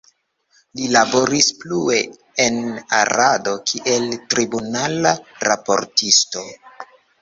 Li laboris plue en Arado kiel tribunala raportisto.